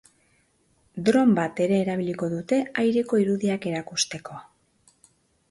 Drone bat ere erabiliko dute aireko irudiak erakusteko.